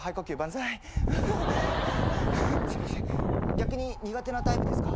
逆に苦手なタイプですか？